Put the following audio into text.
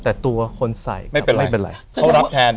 แต่ตัวคนใส่ไม่เป็นไรเขารับแทน